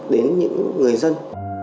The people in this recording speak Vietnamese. đến những người dân